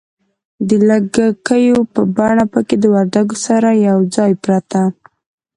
د لږکیو په بڼه پکښې د وردگو سره یوځای پرته